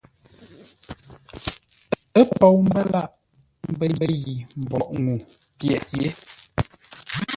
Ə́ pou mbə́ lâʼ ə́ mbə́ yi mboʼ ŋuu pyəghʼ yé.